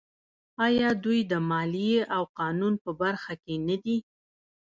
آیا دوی د مالیې او قانون په برخه کې نه دي؟